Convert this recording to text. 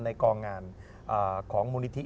กองงานของมูลนิธิ